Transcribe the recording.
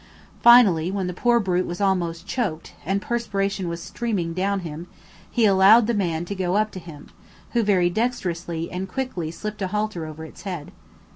Finally, when the poor brute was almost choked, and perspiration was streaming down him, he allowed the man to go up to him, who very dexterously and quickly slipped a halter over its head.